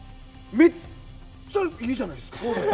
めっちゃいいじゃないですか。